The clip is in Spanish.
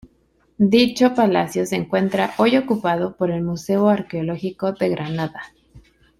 Dicho palacio se encuentra hoy ocupado por el Museo Arqueológico de Granada.